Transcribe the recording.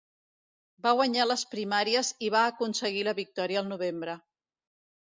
Va guanyar les primàries i va aconseguir la victòria al novembre.